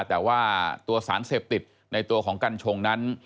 แต่ว่าตัวสารเสพติดในตัวของกัญชงนั้น